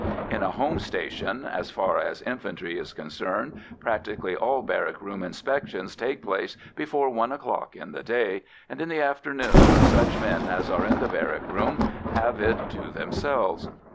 In a home station, as far as infantry is concerned, practically all barrack room inspections take place before one o'clock in the day, and in the afternoons such men as are in the barrack room have it to themselves.